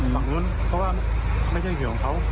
ฝั่งนู้นเขาว่าไม่ใช่เขตของเขา